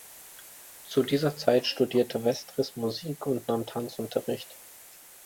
Zu dieser Zeit studierte Vestris Musik und nahm Tanzunterricht.